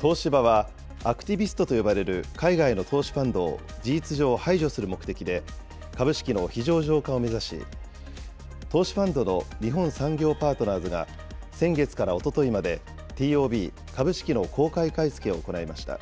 東芝は、アクティビストと呼ばれる海外の投資ファンドを事実上排除する目的で、株式の非上場化を目指し、投資ファンドの日本産業パートナーズが先月からおとといまで、ＴＯＢ・株式の公開買い付けを行いました。